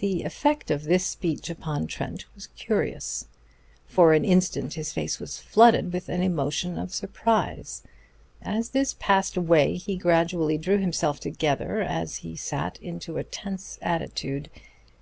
The effect of this speech upon Trent was curious. For an instant his face was flooded with the emotion of surprise. As this passed away he gradually drew himself together as he sat into a tense attitude.